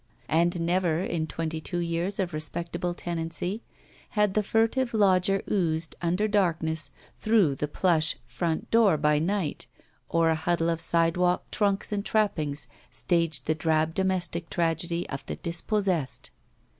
And never, in twenty two years of respectable tenancy, had the furtive lodger oozed, under darkness, through the Hush front door by night, or a huddle of sidewalk trunks and trappings staged the drab domestic tragedy of the dispossessed.